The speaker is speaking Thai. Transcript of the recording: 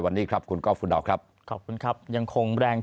วันนี้ครับคุณก้อคุณดาวครับขอบคุณครับยังคงแรง